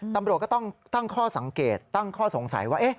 ตำรวจก็ต้องตั้งข้อสังเกตตั้งข้อสงสัยว่า